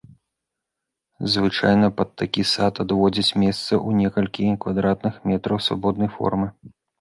Звычайна пад такі сад адводзяць месца ў некалькі квадратных метраў свабоднай формы.